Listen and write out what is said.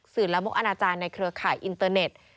ละมกอนาจารย์ในเครือข่ายอินเตอร์เน็ต